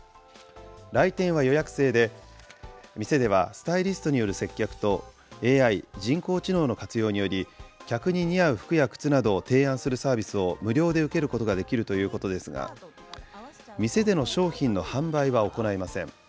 来店は予約制で、店ではスタイリストによる接客と、ＡＩ・人工知能の活用により、客に似合う服や靴などを提案するサービスを無料で受けることができるということですが、店での商品の販売は行いません。